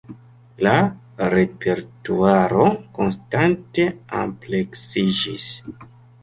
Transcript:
La repertuaro konstante ampleksiĝis.